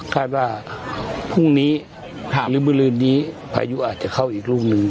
คาดว่าพรุ่งนี้หรือมือลืนนี้พายุอาจจะเข้าอีกรุ่งนึง